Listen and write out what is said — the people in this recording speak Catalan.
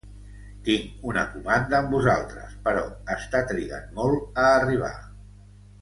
Tinc una comanda amb vosaltres però esta trigant molt a arribar.